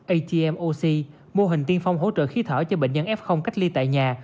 atm oxy mô hình tiên phong hỗ trợ khí thở cho bệnh nhân f cách ly tại nhà